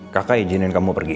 kakak izinin kamu pergi